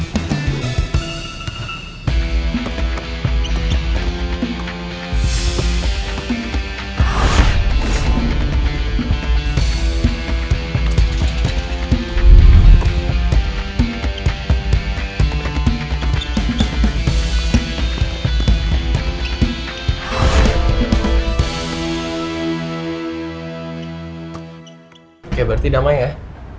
kalau lo kenapa ngga main